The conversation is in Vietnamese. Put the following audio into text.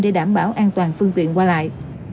để đảm bảo an toàn phương tiện qua lại